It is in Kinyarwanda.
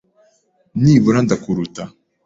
Nibura ndakuruta.